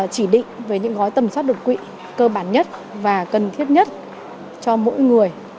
chỉ định về những gói tầm soát đột quỵ cơ bản nhất và cần thiết nhất cho mỗi người